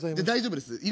大丈夫です。